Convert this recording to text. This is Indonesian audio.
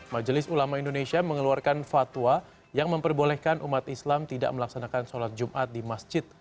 majelis ulama indonesia mengeluarkan fatwa yang memperbolehkan umat islam tidak melaksanakan sholat jumat di masjid